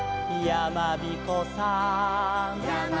「やまびこさん」